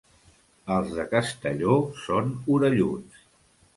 Els de Castelló són orelluts.